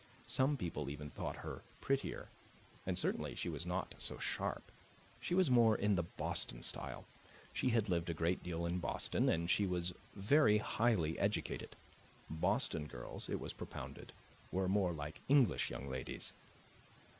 Some people even thought her prettier, and, certainly, she was not so sharp. She was more in the Boston style; she had lived a great deal in Boston, and she was very highly educated. Boston girls, it was propounded, were more like English young ladies.